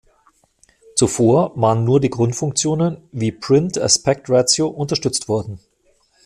Zuvor waren nur die Grundfunktionen wie „Print Aspect Ratio“ unterstützt worden.